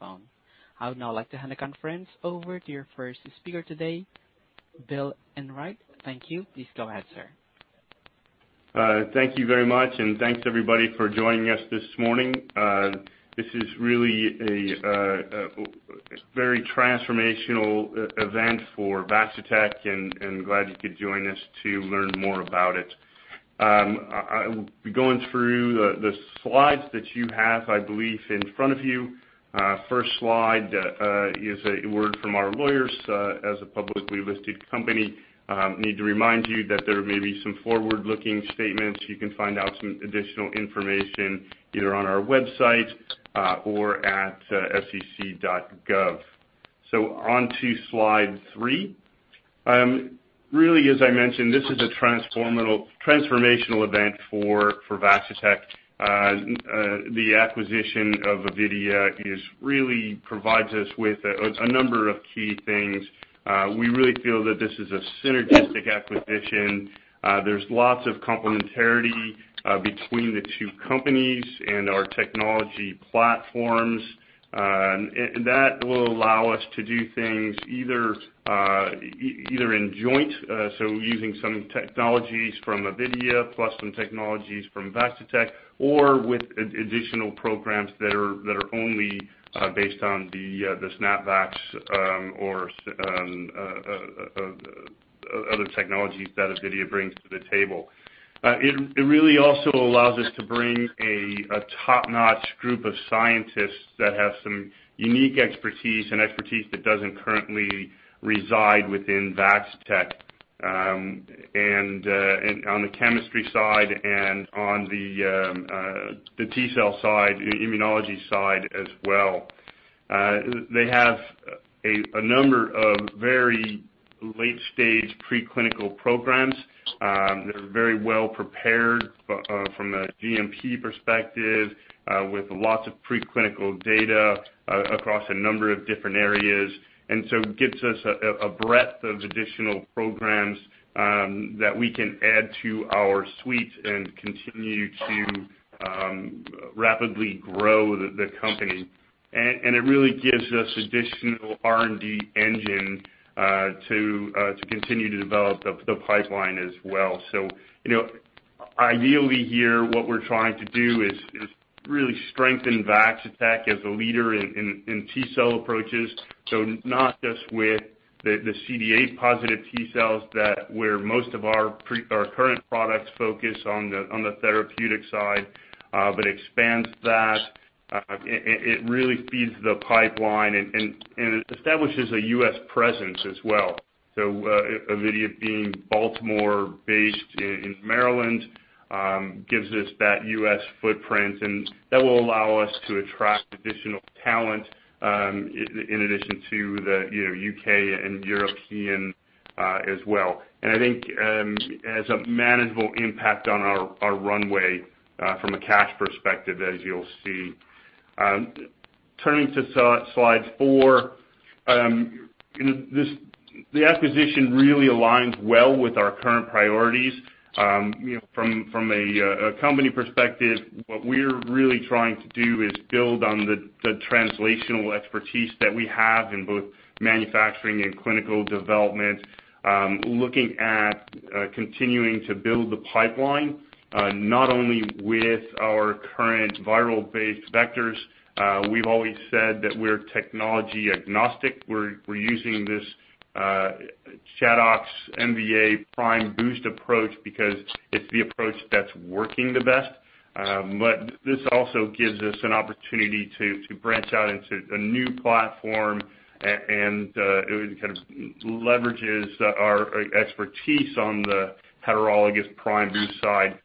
Phone. I would now like to hand the conference over to your first speaker today, Bill Enright. Thank you. Please go ahead, sir. Thank you very much, and thanks everybody for joining us this morning. This is really a very transformational event for Vaccitech, and glad you could join us to learn more about it. I'll be going through the slides that you have, I believe, in front of you. First slide is a word from our lawyers. As a publicly listed company, we need to remind you that there may be some forward-looking statements. You can find out some additional information either on our website or at sec.gov. Onto Slide three. Really, as I mentioned, this is a transformational event for Vaccitech. The acquisition of Avidea really provides us with a number of key things. We really feel that this is a synergistic acquisition. There's lots of complementarity between the two companies and our technology platforms. That will allow us to do things either in joint, so using some technologies from Avidea plus some technologies from Vaccitech, or with additional programs that are only based on the SNAPvax, or other technologies that Avidea brings to the table. It really also allows us to bring a top-notch group of scientists that have some unique expertise and expertise that doesn't currently reside within Vaccitech, and on the chemistry side and on the T-cell side, immunology side as well. They have a number of very late-stage preclinical programs. They're very well prepared from a GMP perspective with lots of preclinical data across a number of different areas. It gives us a breadth of additional programs that we can add to our suite and continue to rapidly grow the company. It really gives us additional R&D engine to continue to develop the pipeline as well. You know, ideally here, what we're trying to do is really strengthen Vaccitech as a leader in T-cell approaches. Not just with the CD8 positive T cells that, where most of our current products focus on the therapeutic side, but expands that. It really feeds the pipeline and it establishes a U.S. presence as well. Avidea being Baltimore-based in Maryland gives us that U.S. footprint, and that will allow us to attract additional talent in addition to the, you know, U.K. and European as well. I think it has a manageable impact on our runway from a cash perspective, as you'll see. Turning to Slide four, this acquisition really aligns well with our current priorities. You know, from a company perspective, what we're really trying to do is build on the translational expertise that we have in both manufacturing and clinical development. Looking at continuing to build the pipeline, not only with our current viral-based vectors. We've always said that we're technology agnostic. We're using this ChAdOx, MVA, prime-boost approach because it's the approach that's working the best. This also gives us an opportunity to branch out into a new platform and it kind of leverages our expertise on the heterologous prime-boost side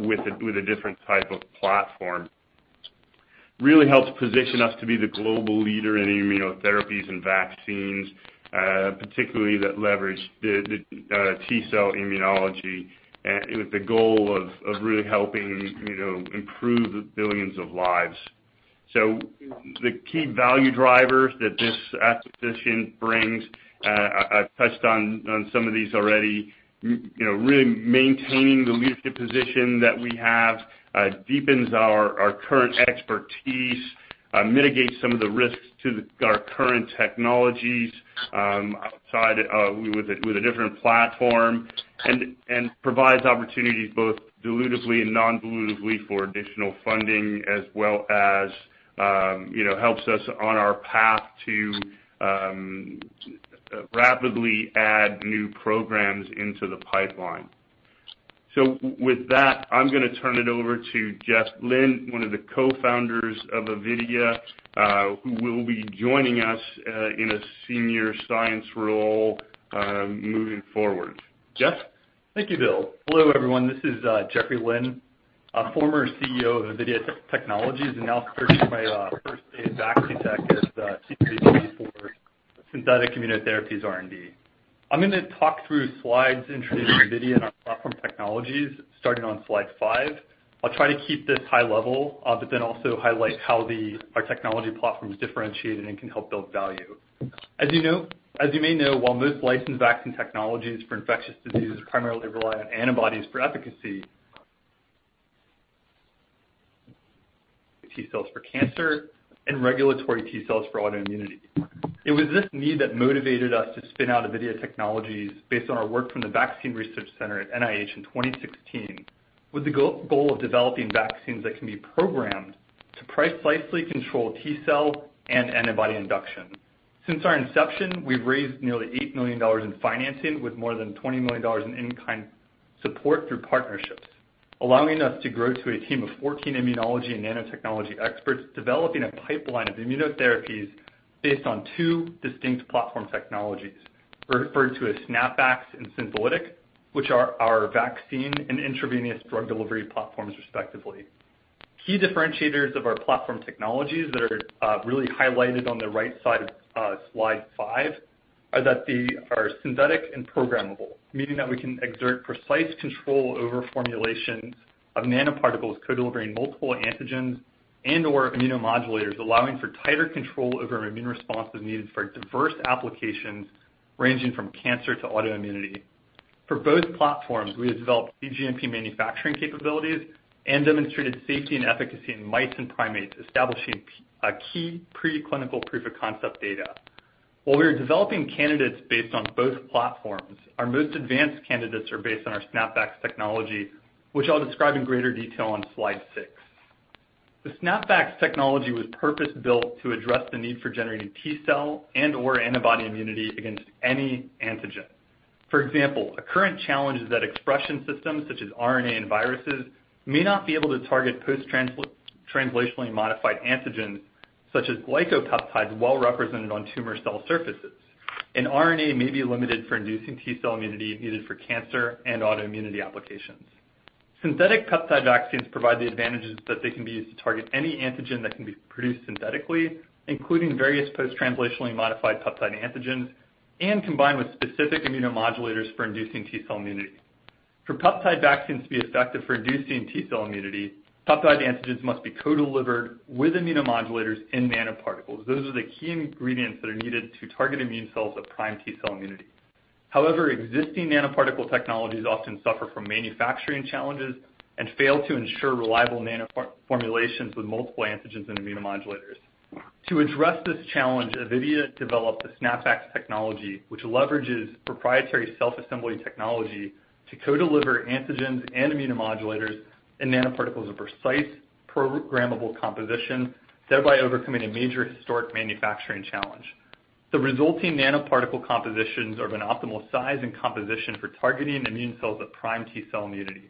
with a different type of platform. Really helps position us to be the global leader in immunotherapies and vaccines, particularly that leverage the T-cell immunology and with the goal of really helping, you know, improve billions of lives. The key value drivers that this acquisition brings, I've touched on some of these already. You know, really maintaining the leadership position that we have deepens our current expertise, mitigates some of the risks to our current technologies outside with a different platform, and provides opportunities both dilutively and non-dilutively for additional funding as well as, you know, helps us on our path to rapidly add new programs into the pipeline. With that, I'm gonna turn it over to Geoff Lynn, one of the co-founders of Avidea, who will be joining us in a senior science role moving forward. Geoff? Thank you, Bill. Hello, everyone. This is Geoffrey Lynn, a former CEO of Avidea Technologies and now starting my first day at Vaccitech as the Chief Medical Officer for Synthetic Immunotherapies R&D. I'm gonna talk through slides introducing Avidea and our platform technologies starting on Slide five. I'll try to keep this high level, but then also highlight how our technology platform is differentiated and can help build value. As you may know, while most licensed vaccine technologies for infectious diseases primarily rely on antibodies for efficacy, T cells for cancer and regulatory T cells for autoimmunity. It was this need that motivated us to spin out of Avidea Technologies based on our work from the Vaccine Research Center at NIH in 2016, with the goal of developing vaccines that can be programmed to precisely control T-cell and antibody induction. Since our inception, we've raised nearly $8 million in financing with more than $20 million in in-kind support through partnerships, allowing us to grow to a team of 14 immunology and nanotechnology experts developing a pipeline of immunotherapies based on two distinct platform technologies referred to as SNAPvax and Syntholytic, which are our vaccine and intravenous drug delivery platforms, respectively. Key differentiators of our platform technologies that are really highlighted on the right side of Slide five are that they are synthetic and programmable. Meaning that we can exert precise control over formulations of nanoparticles co-delivering multiple antigens and/or immunomodulators, allowing for tighter control over immune responses needed for diverse applications ranging from cancer to autoimmunity. For both platforms, we have developed cGMP manufacturing capabilities and demonstrated safety and efficacy in mice and primates, establishing a key preclinical proof of concept data. While we are developing candidates based on both platforms, our most advanced candidates are based on our SNAPvax technology, which I'll describe in greater detail on slide 6. The SNAPvax technology was purpose-built to address the need for generating T-cell and/or antibody immunity against any antigen. For example, a current challenge is that expression systems such as RNA and viruses may not be able to target posttranslationally modified antigens such as glycopeptides well represented on tumor cell surfaces, and RNA may be limited for inducing T-cell immunity needed for cancer and autoimmunity applications. Synthetic peptide vaccines provide the advantages that they can be used to target any antigen that can be produced synthetically, including various posttranslationally modified peptide antigens, and combined with specific immunomodulators for inducing T-cell immunity. For peptide vaccines to be effective for inducing T-cell immunity, peptide antigens must be co-delivered with immunomodulators and nanoparticles. Those are the key ingredients that are needed to target immune cells of prime T-cell immunity. However, existing nanoparticle technologies often suffer from manufacturing challenges and fail to ensure reliable nano formulations with multiple antigens and immunomodulators. To address this challenge, Avidea developed the SNAPvax technology, which leverages proprietary self-assembly technology to co-deliver antigens and immunomodulators in nanoparticles of precise programmable composition, thereby overcoming a major historic manufacturing challenge. The resulting nanoparticle compositions are of an optimal size and composition for targeting immune cells of prime T-cell immunity.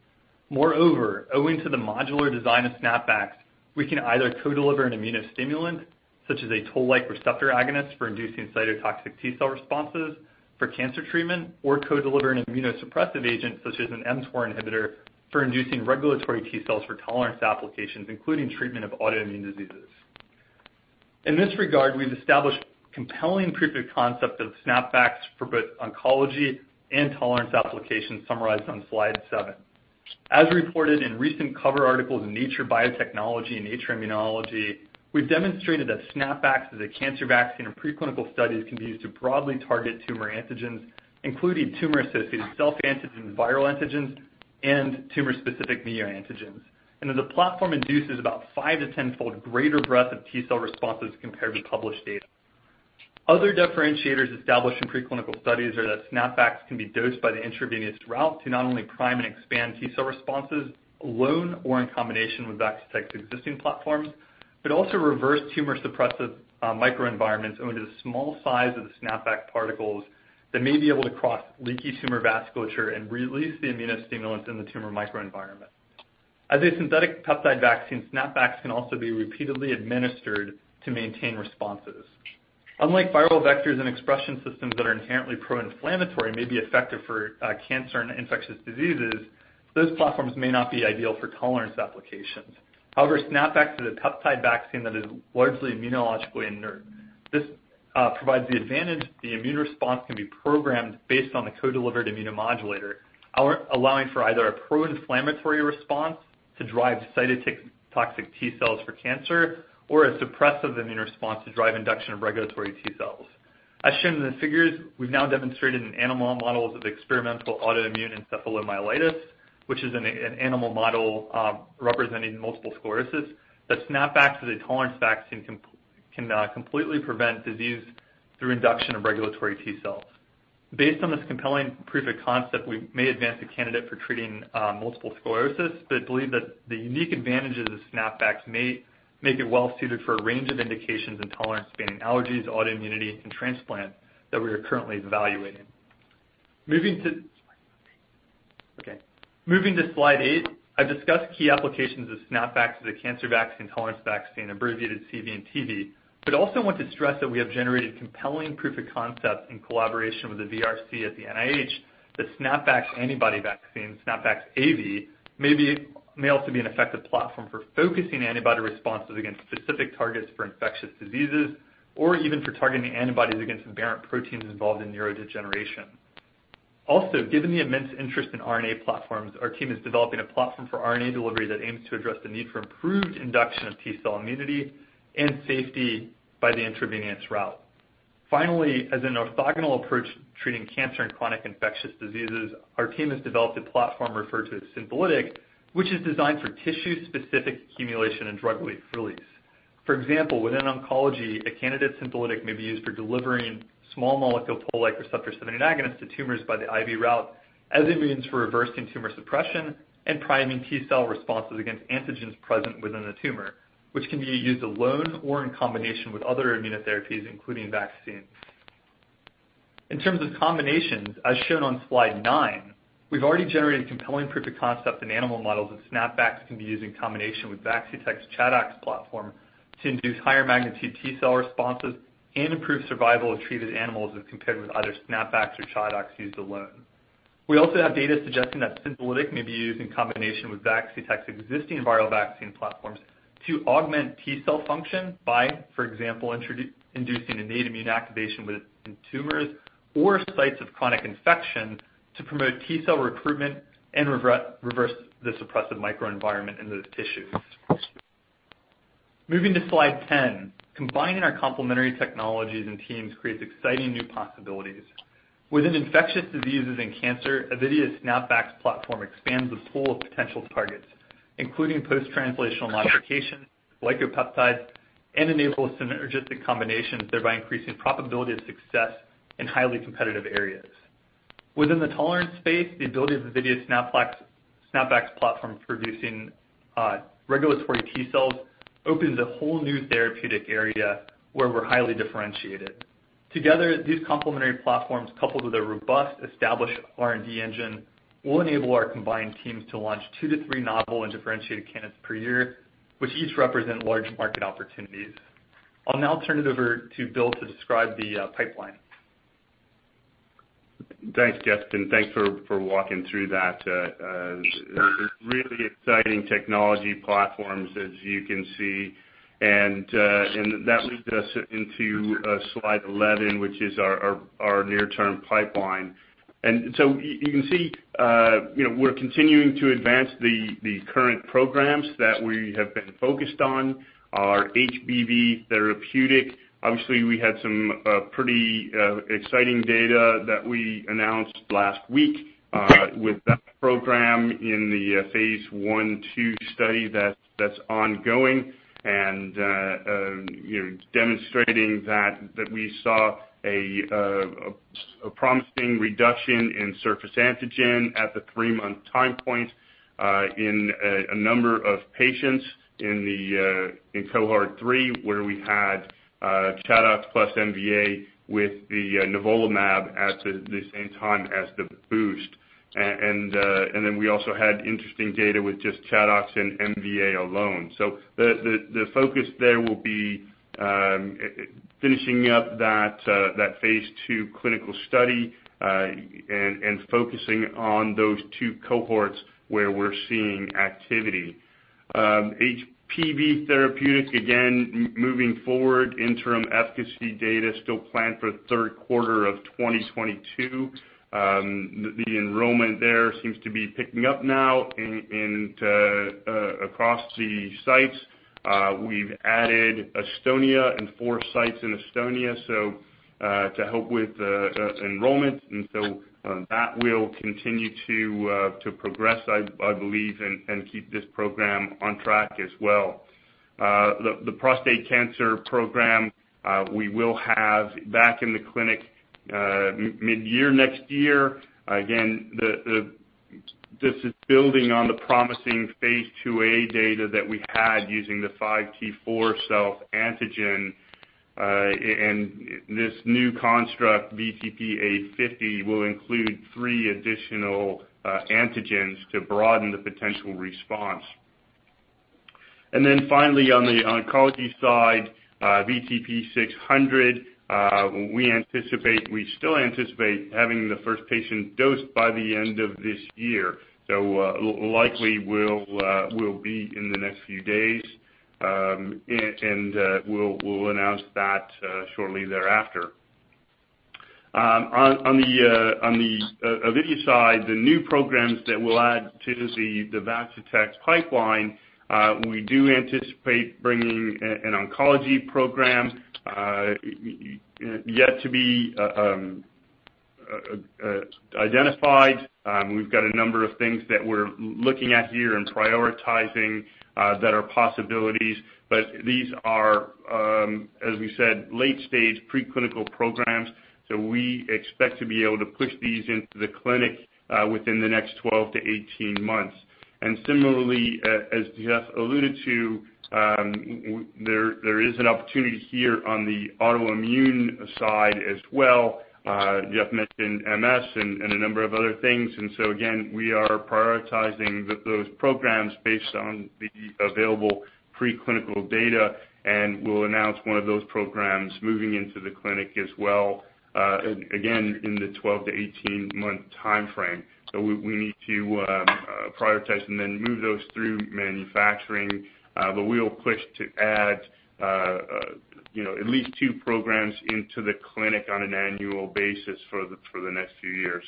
Moreover, owing to the modular design of SNAPvax, we can either co-deliver an immunostimulant, such as a toll-like receptor agonist for inducing cytotoxic T-cell responses for cancer treatment, or co-deliver an immunosuppressive agent such as an mTOR inhibitor for inducing regulatory T cells for tolerance applications, including treatment of autoimmune diseases. In this regard, we've established compelling proof of concept of SNAPvax for both oncology and tolerance applications summarized on Slide seven. As reported in recent cover articles in Nature Biotechnology and Nature Immunology, we've demonstrated that SNAPvax as a cancer vaccine in preclinical studies can be used to broadly target tumor antigens, including tumor-associated self-antigens, viral antigens, and tumor-specific neoantigens and that the platform induces about 5-10-fold greater breadth of T-cell responses compared with published data. Other differentiators established in preclinical studies are that SNAPvax can be dosed by the intravenous route to not only prime and expand T-cell responses alone or in combination with Vaccitech's existing platforms, but also reverse tumor-suppressive microenvironments owing to the small size of the SNAPvax particles that may be able to cross leaky tumor vasculature and release the immunostimulant in the tumor microenvironment. As a synthetic peptide vaccine, SNAPvax can also be repeatedly administered to maintain responses. Unlike viral vectors and expression systems that are inherently pro-inflammatory, may be effective for cancer and infectious diseases, those platforms may not be ideal for tolerance applications. However, SNAPvax is a peptide vaccine that is largely immunologically inert. This provides the advantage the immune response can be programmed based on the co-delivered immunomodulator, allowing for either a pro-inflammatory response to drive cytotoxic T cells for cancer, or a suppressive immune response to drive induction of regulatory T cells. As shown in the figures, we've now demonstrated in animal models of experimental autoimmune encephalomyelitis, which is an animal model representing multiple sclerosis, that SNAPvax as a tolerance vaccine can completely prevent disease through induction of regulatory T cells. Based on this compelling proof of concept, we may advance a candidate for treating multiple sclerosis, but believe that the unique advantages of SNAPvax may make it well suited for a range of indications in tolerance spanning allergies, autoimmunity, and transplant that we are currently evaluating. Moving to Slide eight, I've discussed key applications of SNAPvax as a cancer vaccine, tolerance vaccine, abbreviated CV and TV, but also want to stress that we have generated compelling proof of concept in collaboration with the VRC at the NIH that SNAPvax antibody vaccine, SNAPvax AV, may also be an effective platform for focusing antibody responses against specific targets for infectious diseases or even for targeting antibodies against aberrant proteins involved in neurodegeneration. Given the immense interest in RNA platforms, our team is developing a platform for RNA delivery that aims to address the need for improved induction of T-cell immunity and safety by the intravenous route. Finally, as an orthogonal approach to treating cancer and chronic infectious diseases, our team has developed a platform referred to as Syntholytic, which is designed for tissue-specific accumulation and drug release. For example, within oncology, a candidate Syntholytic may be used for delivering small molecule-like STING agonists to tumors by the IV route as a means for reversing tumor suppression and priming T-cell responses against antigens present within the tumor, which can be used alone or in combination with other immunotherapies, including vaccines. In terms of combinations, as shown on Slide nine, we've already generated compelling proof of concept in animal models that SNAPvax can be used in combination with Vaccitech's ChAdOx platform to induce higher magnitude T-cell responses and improve survival of treated animals as compared with either SNAPvax or ChAdOx used alone. We also have data suggesting that Syntholytic may be used in combination with Vaccitech's existing viral vaccine platforms to augment T-cell function by, for example, inducing innate immune activation within tumors or sites of chronic infection to promote T-cell recruitment and reverse the suppressive microenvironment in those tissues. Moving to slide 10, combining our complementary technologies and teams creates exciting new possibilities. Within infectious diseases and cancer, Avidea's SNAPvax platform expands the pool of potential targets, including post-translational modifications, glycopeptides, and enables synergistic combinations, thereby increasing probability of success in highly competitive areas. Within the tolerance space, the ability of Avidea's SNAPvax platform producing regulatory T cells opens a whole new therapeutic area where we're highly differentiated. Together, these complementary platforms, coupled with a robust, established R&D engine, will enable our combined teams to launch two to three novel and differentiated candidates per year, which each represent large market opportunities. I'll now turn it over to Bill to describe the pipeline. Thanks, Jeff, and thanks for walking through that. Really exciting technology platforms, as you can see. That leads us into slide 11, which is our near-term pipeline. You can see, you know, we're continuing to advance the current programs that we have been focused on. Our HBV therapeutic, obviously, we had some pretty exciting data that we announced last week with that program in the phase I/II study that's ongoing, you know, demonstrating that we saw a promising reduction in surface antigen at the three-month time point in a number of patients in Cohort 3, where we had ChAdOx plus MVA with the nivolumab at the same time as the boost. We also had interesting data with just ChAdOx and MVA alone. The focus there will be finishing up that phase II clinical study, and focusing on those two cohorts where we're seeing activity. HBV therapeutic, again, moving forward, interim efficacy data still planned for the third quarter of 2022. The enrollment there seems to be picking up now across the sites. We've added four sites in Estonia, so to help with enrollment. That will continue to progress, I believe, and keep this program on track as well. The prostate cancer program, we will have back in the clinic, mid-year next year. Again, the... This is building on the promising phase II A data that we had using the 5T4 antigen. And this new construct, VTP-A50, will include three additional antigens to broaden the potential response. Then finally, on the oncology side, VTP-600, we still anticipate having the first patient dosed by the end of this year. Likely will be in the next few days. And we'll announce that shortly thereafter. On the Avidea side, the new programs that we'll add to the Vaccitech pipeline, we do anticipate bringing an oncology program yet to be identified. We've got a number of things that we're looking at here and prioritizing that are possibilities. These are, as we said, late-stage preclinical programs, so we expect to be able to push these into the clinic within the next 12-18 months. Similarly, as Geoff alluded to, there is an opportunity here on the autoimmune side as well. Geoff mentioned MS and a number of other things. Again, we are prioritizing those programs based on the available preclinical data, and we'll announce one of those programs moving into the clinic as well, again, in the 12-18-month timeframe. We need to prioritize and then move those through manufacturing, but we will push to add, you know, at least two programs into the clinic on an annual basis for the next few years.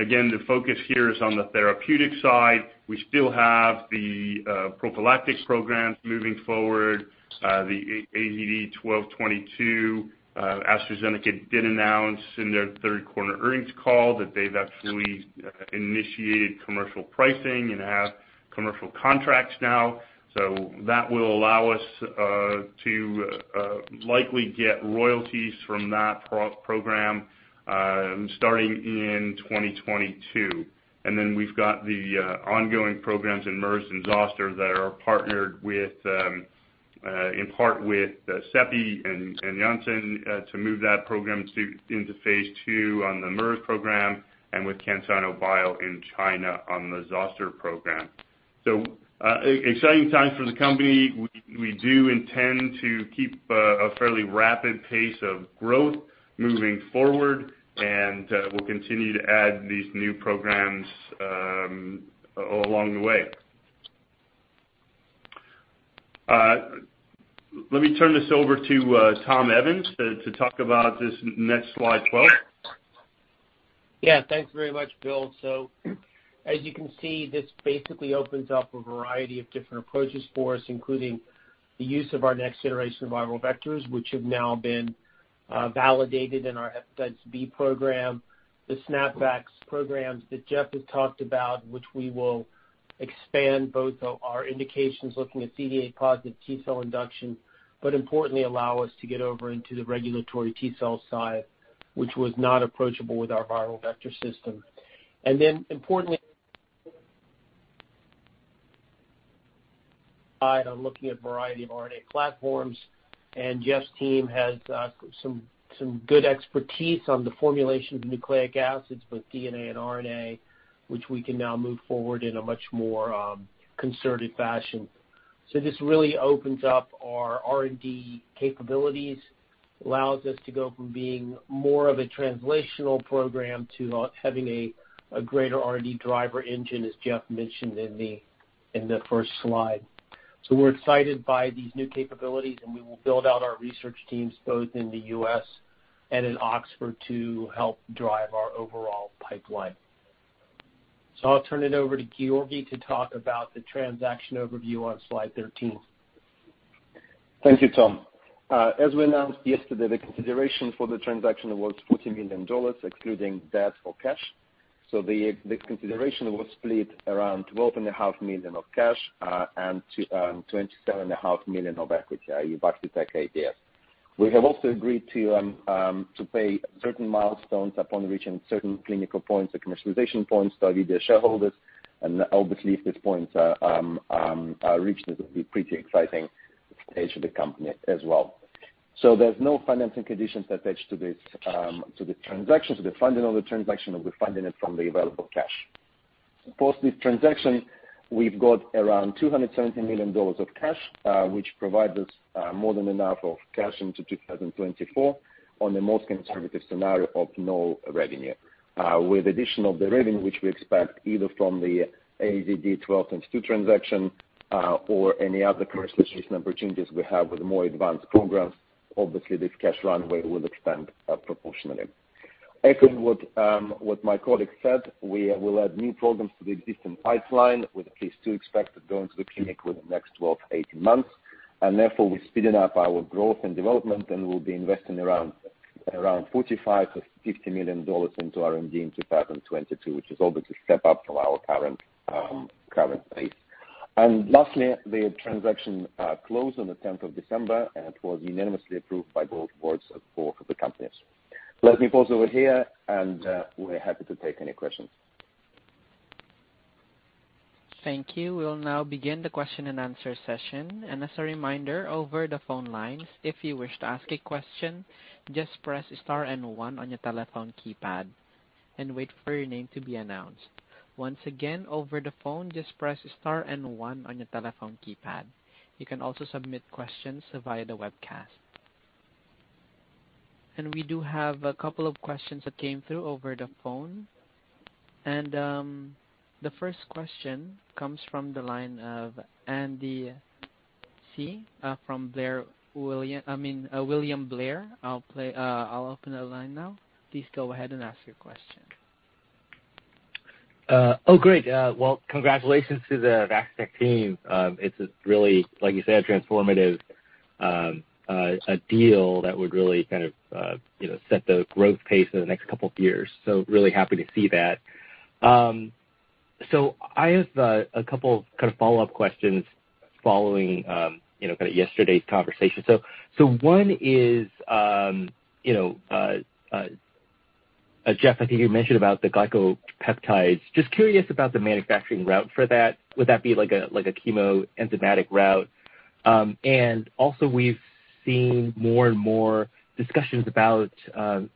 Again, the focus here is on the therapeutic side. We still have the prophylactic programs moving forward, the AZD1222. AstraZeneca did announce in their third quarter earnings call that they've actually initiated commercial pricing and have commercial contracts now. That will allow us to likely get royalties from that program starting in 2022. Then we've got the ongoing programs in MERS and zoster that are partnered with, in part with, CEPI and Janssen, to move that program into phase II on the MERS program and with CanSino Biologics in China on the zoster program. Exciting times for the company. We do intend to keep a fairly rapid pace of growth moving forward, and we'll continue to add these new programs along the way. Let me turn this over to Tom Evans to talk about this next Slide 12. Yeah. Thanks very much, Bill. As you can see, this basically opens up a variety of different approaches for us, including the use of our next generation of viral vectors, which have now been validated in our hepatitis B program, the SNAPvax programs that Jeff has talked about, which we will expand both our indications looking at CD8-positive T-cell induction, but importantly allow us to get over into the regulatory T-cell side, which was not approachable with our viral vector system. Importantly on looking at a variety of RNA platforms, and Jeff's team has some good expertise on the formulation of nucleic acids with DNA and RNA, which we can now move forward in a much more concerted fashion. This really opens up our R&D capabilities, allows us to go from being more of a translational program to having a greater R&D driver engine, as Jeff mentioned in the first slide. We're excited by these new capabilities, and we will build out our research teams both in the U.S. and in Oxford to help drive our overall pipeline. I'll turn it over to Georgy to talk about the transaction overview on Slide 13. Thank you, Tom. As we announced yesterday, the consideration for the transaction was $40 million, excluding debt for cash. The consideration was split around $12.5 million of cash and $27.5 million of equity in Vaccitech ADS. We have also agreed to pay certain milestones upon reaching certain clinical points or commercialization points to Avidea shareholders, and obviously if these points are reached, this will be a pretty exciting stage for the company as well. There's no financing conditions attached to this transaction. The funding of the transaction will be funded from the available cash. Post this transaction, we've got around $270 million of cash, which provides us more than enough cash into 2024 on the most conservative scenario of no revenue. With additional revenue which we expect either from the AZD1222 transaction or any other commercialization opportunities we have with more advanced programs, obviously this cash runway will expand proportionally. Echoing what my colleague said, we will add new programs to the existing pipeline, with at least two expected to go into the clinic within the next 12-18 months. Therefore, we're speeding up our growth and development, and we'll be investing around $45 million-$50 million into R&D in 2022, which is obviously a step up from our current pace. Lastly, the transaction closed on the 10th of December and was unanimously approved by both boards of, for the companies. Let me pause over here, and, we're happy to take any questions. Thank you. We'll now begin the question-and-answer session. As a reminder, over the phone lines, if you wish to ask a question, just press star and one on your telephone keypad and wait for your name to be announced. Once again, over the phone, just press star and one on your telephone keypad. You can also submit questions via the webcast. We do have a couple of questions that came through over the phone. The first question comes from the line of Andy Hsieh from William Blair. I'll open the line now. Please go ahead and ask your question. Great. Well, congratulations to the Vaccitech team. It's a really, like you said, transformative deal that would really kind of you know set the growth pace for the next couple of years. Really happy to see that. I asked a couple kind of follow-up questions following you know kind of yesterday's conversation. One is, you know, Geoffrey, I think you mentioned about the glycopeptides. Just curious about the manufacturing route for that. Would that be like a chemo enzymatic route? And also we've seen more and more discussions about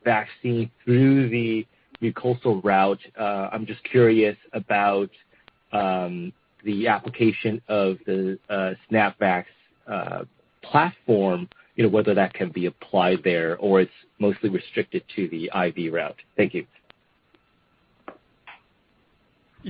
vaccine through the mucosal route. I'm just curious about the application of the SNAPvax platform, you know, whether that can be applied there or it's mostly restricted to the IV route.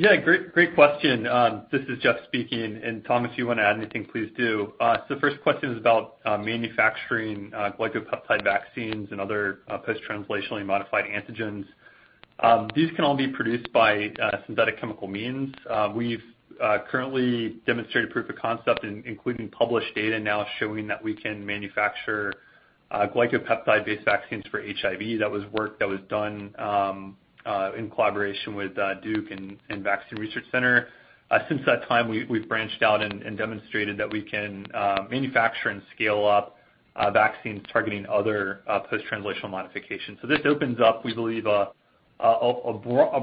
Thank you. Yeah, great question. This is Geoff speaking, and Tom, if you want to add anything, please do. The first question is about manufacturing glycopeptide vaccines and other post-translationally modified antigens. These can all be produced by synthetic chemical means. We've currently demonstrated proof of concept including published data now showing that we can manufacture glycopeptide-based vaccines for HIV. That was work that was done in collaboration with Duke and Vaccine Research Center. Since that time, we've branched out and demonstrated that we can manufacture and scale up vaccines targeting other post-translational modifications. This opens up, we believe, a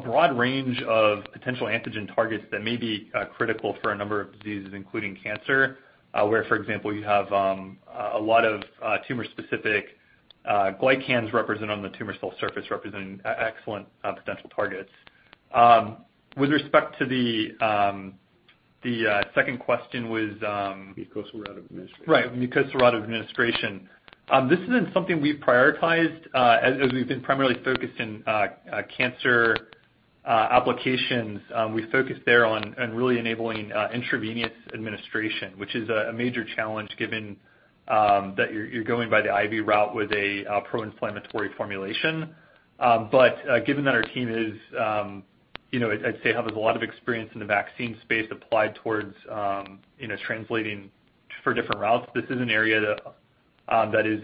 broad range of potential antigen targets that may be critical for a number of diseases, including cancer, where, for example, you have a lot of tumor-specific glycans represented on the tumor cell surface, representing excellent potential targets. With respect to the second question was Mucosal route of administration. Right, mucosal route of administration. This isn't something we've prioritized, as we've been primarily focused on cancer applications. We've focused there on really enabling intravenous administration, which is a major challenge given that you're going by the IV route with a pro-inflammatory formulation. But given that our team is, you know, I'd say has a lot of experience in the vaccine space applied towards, you know, translating for different routes, this is an area that is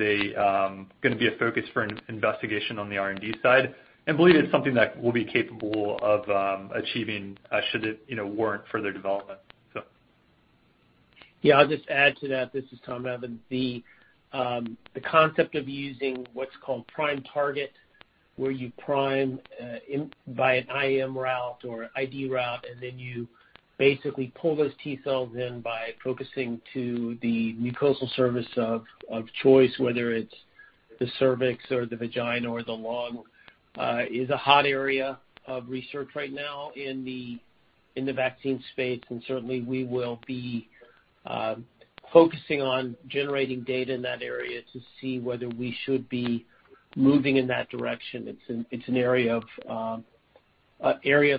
gonna be a focus for an investigation on the R&D side. Believe it's something that we'll be capable of achieving, should it, you know, warrant further development. So. Yeah, I'll just add to that. This is Tom Evans. The concept of using what's called Prime-Target, where you prime by an IM route or ID route, and then you basically pull those T cells in by focusing to the mucosal surface of choice, whether it's the cervix or the vagina or the lung, is a hot area of research right now in the vaccine space. Certainly we will be focusing on generating data in that area to see whether we should be moving in that direction. It's an area of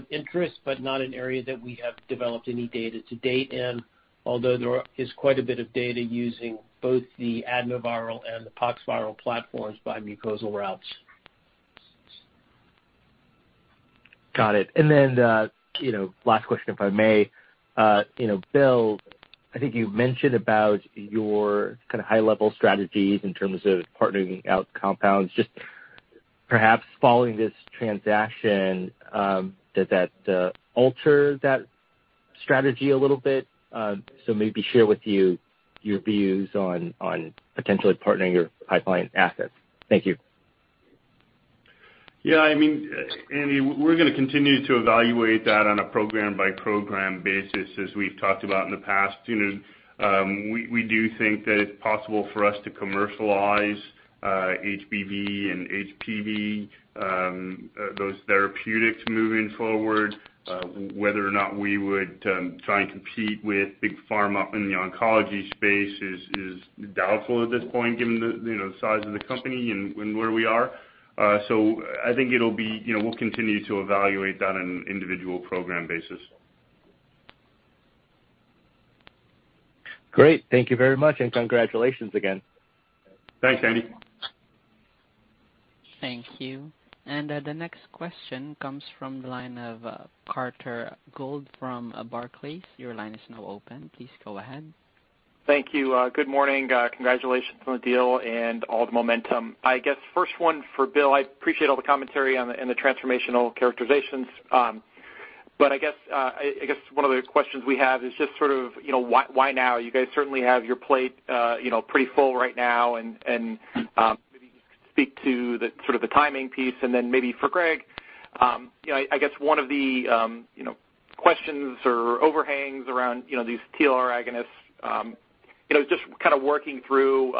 interest, but not an area that we have developed any data to date in, although there is quite a bit of data using both the adenoviral and the poxviral platforms by mucosal routes. Got it. You know, last question, if I may. You know, Bill, I think you've mentioned about your kind of high-level strategies in terms of partnering out compounds. Just perhaps following this transaction, does that alter that strategy a little bit? Maybe share with you your views on potentially partnering your pipeline assets. Thank you. Yeah. I mean, Andy, we're gonna continue to evaluate that on a program-by-program basis, as we've talked about in the past. You know, we do think that it's possible for us to commercialize HBV and HPV, those therapeutics moving forward. Whether or not we would try and compete with big pharma in the oncology space is doubtful at this point, given the you know, size of the company and where we are. I think it'll be, you know, we'll continue to evaluate that on an individual program basis. Great. Thank you very much, and congratulations again. Thanks, Andy. Thank you. The next question comes from the line of Carter Gould from Barclays. Your line is now open. Please go ahead. Thank you. Good morning. Congratulations on the deal and all the momentum. I guess first one for Bill. I appreciate all the commentary on the and the transformational characterizations. I guess one of the questions we have is just sort of, you know, why now? You guys certainly have your plate, you know, pretty full right now and, maybe speak to the sort of the timing piece. Maybe for Greg, you know, I guess one of the, you know, questions or overhangs around, you know, these TLR agonists, you know, just kind of working through,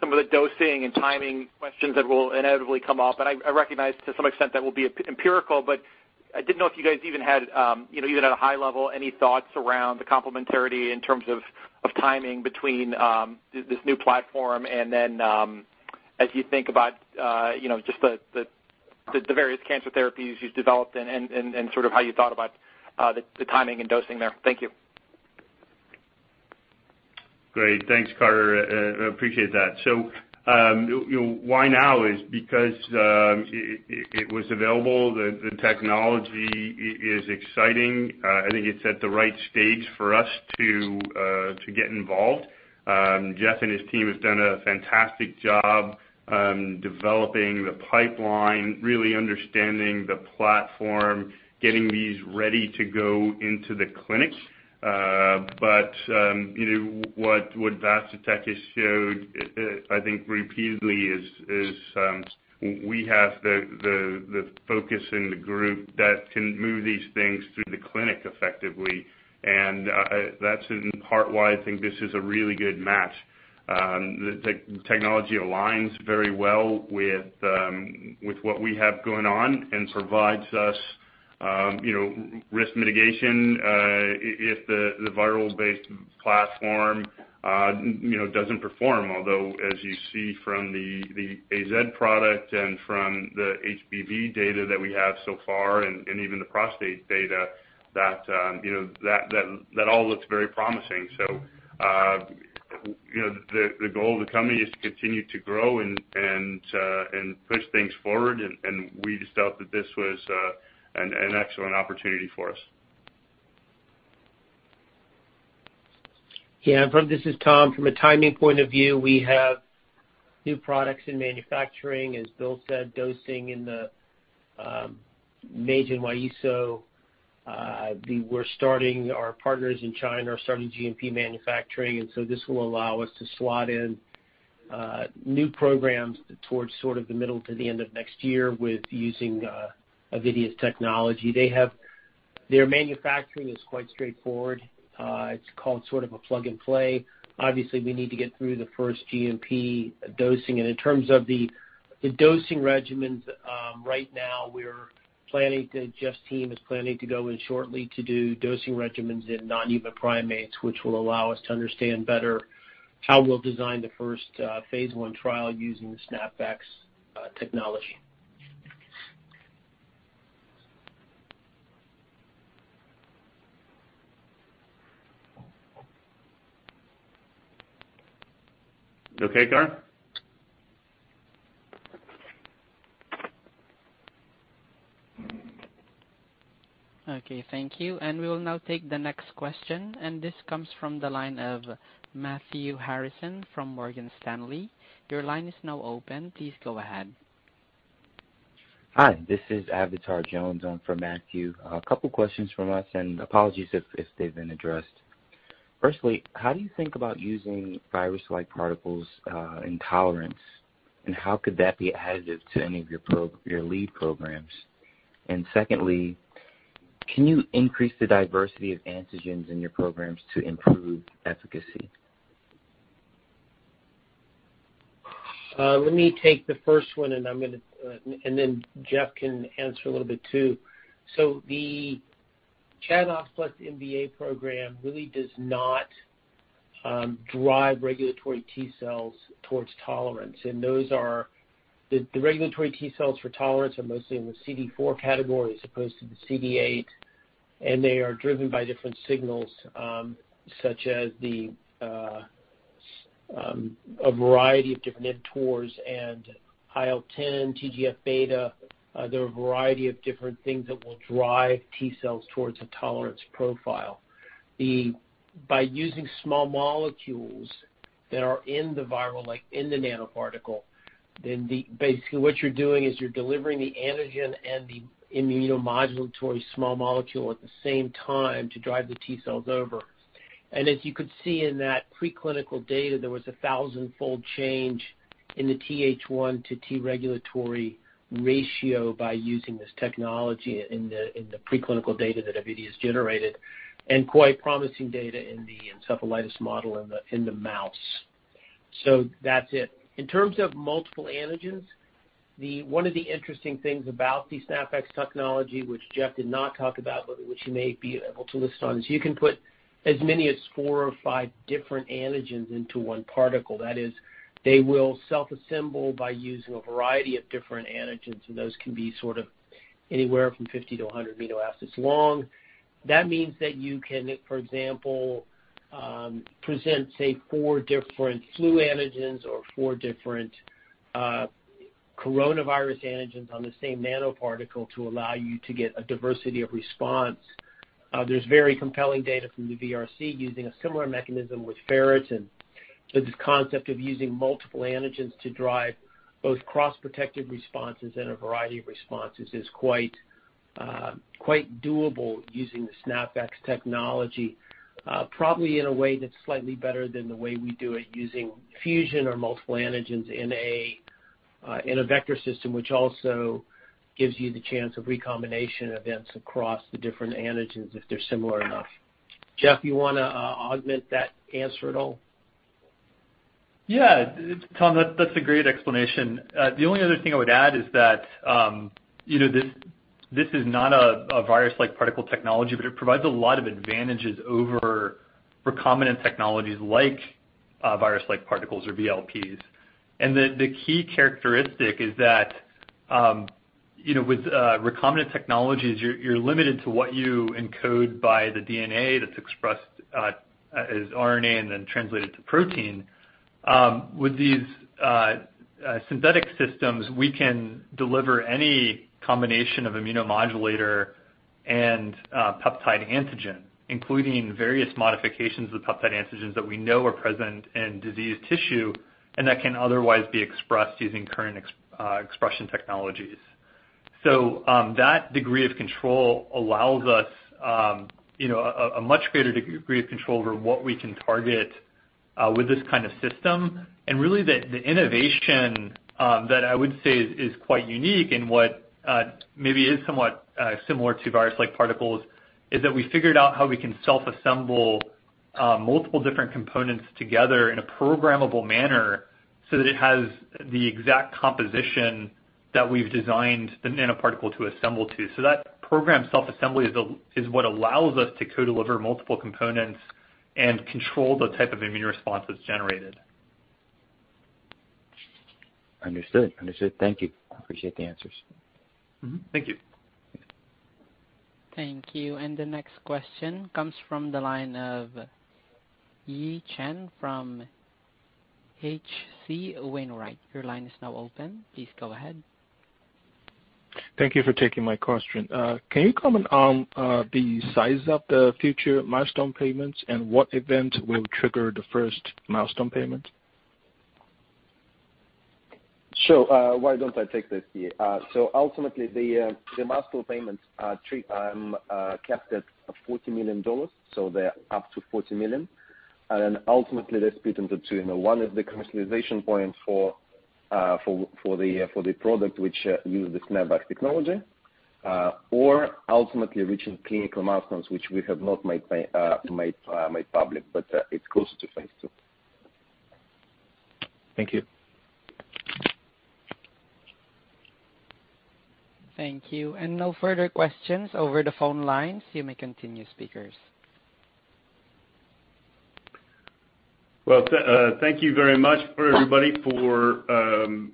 some of the dosing and timing questions that will inevitably come up. I recognize to some extent that will be empirical, but I didn't know if you guys even had, you know, even at a high level, any thoughts around the complementarity in terms of timing between this new platform and then, as you think about, you know, just the various cancer therapies you've developed and sort of how you thought about the timing and dosing there. Thank you. Great. Thanks, Carter. Appreciate that. You know, why now is because it was available. The technology is exciting. I think it's at the right stage for us to get involved. Geoff and his team has done a fantastic job developing the pipeline, really understanding the platform, getting these ready to go into the clinics. You know, what Vaccitech has showed, I think repeatedly is, we have the focus and the group that can move these things through the clinic effectively. That's in part why I think this is a really good match. The technology aligns very well with what we have going on and provides us You know, risk mitigation, if the viral based platform, you know, doesn't perform. Although, as you see from the AZ product and from the HBV data that we have so far, and even the prostate data that you know that all looks very promising. You know, the goal of the company is to continue to grow and push things forward, and we just felt that this was an excellent opportunity for us. This is Tom. From a timing point of view, we have new products in manufacturing, as Bill said, dosing in the major MyISO. Our partners in China are starting GMP manufacturing, and so this will allow us to slot in new programs towards sort of the middle to the end of next year with using Avidea's technology. Their manufacturing is quite straightforward. It's called sort of a plug and play. Obviously, we need to get through the first GMP dosing. In terms of the dosing regimens, right now Geoff's team is planning to go in shortly to do dosing regimens in non-human primates, which will allow us to understand better how we'll design the first phase I trial using the SNAPvax technology. You okay, Carl? Okay, thank you. We will now take the next question, and this comes from the line of Matthew Harrison from Morgan Stanley. Your line is now open. Please go ahead. Hi, this is Avatar Jones. I'm from Matthew. A couple questions from us, and apologies if they've been addressed. Firstly, how do you think about using virus-like particles in tolerance, and how could that be additive to any of your lead programs? Secondly, can you increase the diversity of antigens in your programs to improve efficacy? Let me take the first one, and then Geoff can answer a little bit too. The ChAdOx plus MVA program really does not drive regulatory T cells towards tolerance. The regulatory T cells for tolerance are mostly in the CD4 category as opposed to the CD8, and they are driven by different signals, such as a variety of different mTOR and IL-10, TGF-beta. There are a variety of different things that will drive T cells towards a tolerance profile. By using small molecules that are in the viral, like in the nanoparticle, basically what you're doing is you're delivering the antigen and the immunomodulatory small molecule at the same time to drive the T cells over. As you could see in that preclinical data, there was a 1000-fold change in the TH1 to T regulatory ratio by using this technology in the preclinical data that Avidea's generated, and quite promising data in the encephalitis model in the mouse. That's it. In terms of multiple antigens, one of the interesting things about the SNAPvax technology, which Jeff did not talk about, but which he may be able to list on, is you can put as many as 4 or 5 different antigens into one particle. That is, they will self-assemble by using a variety of different antigens, and those can be sort of anywhere from 50-100 amino acids long. That means that you can, for example, present, say, four different flu antigens or four different coronavirus antigens on the same nanoparticle to allow you to get a diversity of response. There's very compelling data from the VRC using a similar mechanism with ferritin. This concept of using multiple antigens to drive both cross-protective responses and a variety of responses is quite doable using the SNAPvax technology. Probably in a way that's slightly better than the way we do it using fusion or multiple antigens in a vector system, which also gives you the chance of recombination events across the different antigens if they're similar enough. Geoff, you wanna augment that answer at all? Yeah. Tom, that's a great explanation. The only other thing I would add is that, you know, this is not a virus-like particle technology, but it provides a lot of advantages over recombinant technologies like virus-like particles or VLPs. The key characteristic is that, you know, with recombinant technologies, you're limited to what you encode by the DNA that's expressed as RNA and then translated to protein. With these synthetic systems, we can deliver any combination of immunomodulator and peptide antigen, including various modifications of the peptide antigens that we know are present in diseased tissue and that can otherwise be expressed using current expression technologies. That degree of control allows us, you know, a much greater degree of control over what we can target with this kind of system. Really the innovation that I would say is quite unique and what maybe is somewhat similar to virus-like particles is that we figured out how we can self-assemble multiple different components together in a programmable manner so that it has the exact composition that we've designed the nanoparticle to assemble to. That program self-assembly is what allows us to co-deliver multiple components and control the type of immune response that's generated. Understood. Thank you. Appreciate the answers. Mm-hmm. Thank you. Thank you. The next question comes from the line of Yi Chen from H.C. Wainwright. Your line is now open. Please go ahead. Thank you for taking my question. Can you comment on the size of the future milestone payments and what event will trigger the first milestone payment? Sure. Why don't I take this, Yi? So ultimately, the milestone payments are three, capped at $40 million, so they're up to $40 million. Then ultimately, they're split into two. You know, one is the commercialization point for the product which use the SNAPvax technology, or ultimately reaching clinical milestones, which we have not made public, but it's close to phase II. Thank you. Thank you. No further questions over the phone lines. You may continue, speakers. Well, thank you very much for everybody for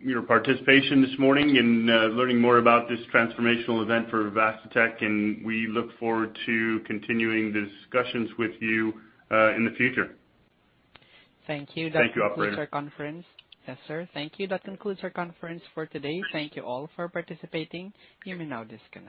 your participation this morning in learning more about this transformational event for Vaccitech, and we look forward to continuing discussions with you in the future. Thank you. Thank you, operator. That concludes our conference. Yes, sir. Thank you. That concludes our conference for today. Thank you all for participating. You may now disconnect.